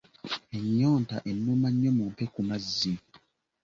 Ennyonta ennuma nnyo bampe ku mazzi